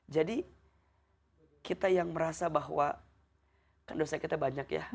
jadi kita yang merasa bahwa kan dosa kita banyak ya